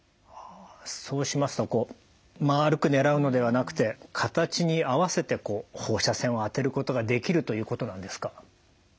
そうしますとこうまるく狙うのではなくて形に合わせてこう放射線を当てることができるということなんですか？